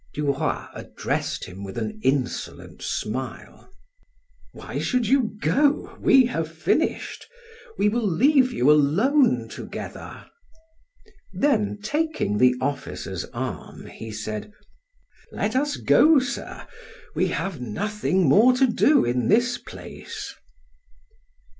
Du Roy addressed him with an insolent smile: "Why should you go, we have finished; we will leave you alone together." Then, taking the officer's arm, he said: "Let us go, sir; we have nothing more to do in this place."